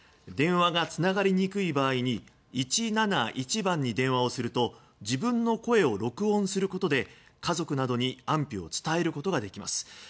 電話がつながりにくい場合に１７１番に電話をすると自分の声を録音することで家族などに安否を伝えることができます。